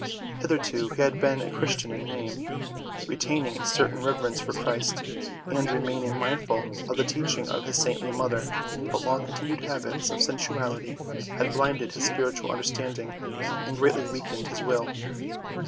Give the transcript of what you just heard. Hitherto he had been a Christian in name, retaining a certain rever ence for Christ and remaining mindful of the teaching of his saintly mother. But long continued habits of sensuality had blinded his spiritual understanding and greatly weakened his will.